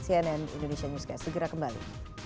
cnn indonesia newscast segera kembali